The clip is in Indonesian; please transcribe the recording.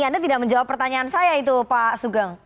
anda tidak menjawab pertanyaan saya itu pak sugeng